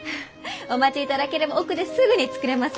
お待ちいただければ奥ですぐに作れます。